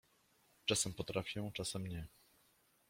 — Czasem potrafię, czasem nie…